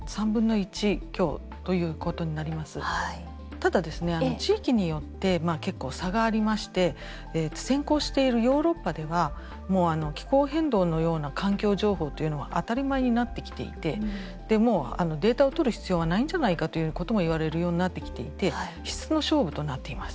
ただ地域によって結構差がありまして先行しているヨーロッパでは気候変動のような環境情報というのは当たり前になってきていてでもうデータを取る必要はないんじゃないかということも言われるようになってきていて質の勝負となっています。